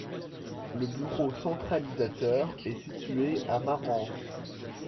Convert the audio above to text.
Le bureau centralisateur est situé à Marans.